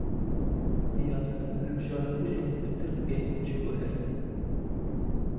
Bi yasaya hilbijartinê li Tirkiyeyê çi guherî?